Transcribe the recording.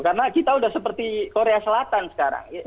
karena kita sudah seperti korea selatan sekarang